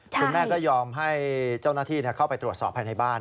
คุณแม่ก็ยอมให้เจ้าหน้าที่เข้าไปตรวจสอบภายในบ้าน